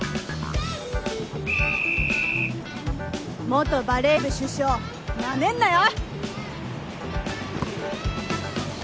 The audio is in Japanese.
元バレー部主将なめんなよ！